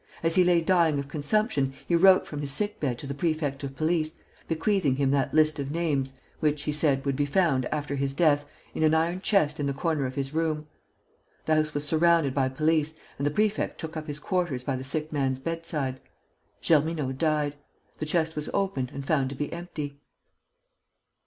As he lay dying of consumption, he wrote from his sick bed to the prefect of police, bequeathing him that list of names, which, he said, would be found, after his death, in an iron chest in the corner of his room. The house was surrounded by police and the prefect took up his quarters by the sick man's bedside. Germineaux died. The chest was opened and found to be empty."